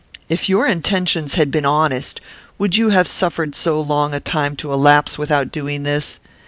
If your intentions had been honest, would you have suffered so long a time to elapse without doing this?